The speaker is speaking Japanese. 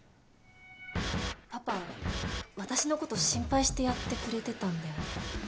パパ私のこと心配してやってくれてたんだよね。